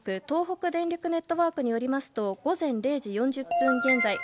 東北電力ネットワークによりますと午前０時４０分現在